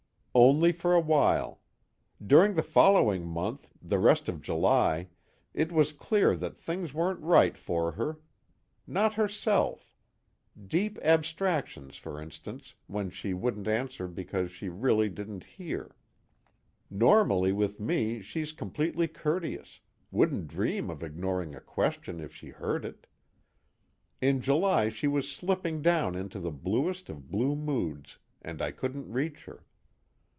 "Only for a while. During the following month, the rest of July, it was clear that things weren't right for her. Not herself. Deep abstractions for instance, when she wouldn't answer because she really didn't hear. Normally with me she's completely courteous, wouldn't dream of ignoring a question if she heard it. In July she was slipping down into the bluest of blue moods, and I couldn't reach her.